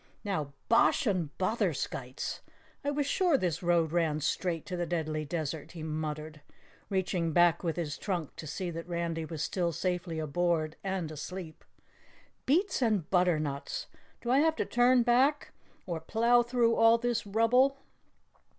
"Now, Bosh and Botherskites! I was sure this road ran straight to the Deadly Desert," he muttered, reaching back with his trunk to see that Randy was still safely aboard and asleep. "Beets and butternuts! Do I have to turn back, or plough through all this rubble?"